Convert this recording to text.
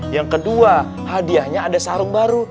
yang kedua hadiahnya ada sarung baru